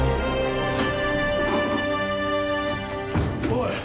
おい。